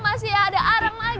masih ada arang lagi